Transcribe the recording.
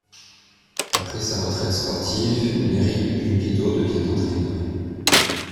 Après sa retraite sportive, Nery Pumpido devient entraîneur.